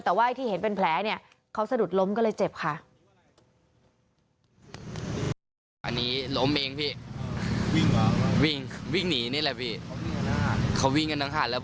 แต่ว่าไอ้ที่เห็นเป็นแผลเนี่ยเขาสะดุดล้มก็เลยเจ็บค่ะ